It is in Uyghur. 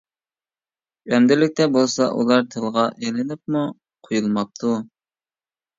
ئەمدىلىكتە بولسا ئۇلار تىلغا ئېلىنىپمۇ قۇيۇلماپتۇ.